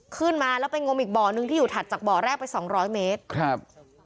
ขึ้นมาแล้วไปงมอีกบ่อนึงที่อยู่ถัดจากบ่อแรกไปสองร้อยเมตรครับ